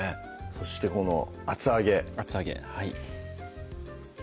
そしてこの厚揚げ厚揚げ